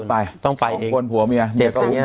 กลับรถไปต้องไปเองของคนผัวเมียเจ็บอย่างเงี้ย